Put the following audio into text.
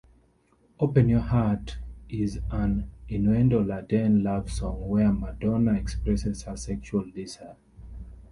"Open Your Heart" is an innuendo-laden love song where Madonna expresses her sexual desire.